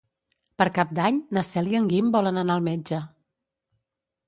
Per Cap d'Any na Cel i en Guim volen anar al metge.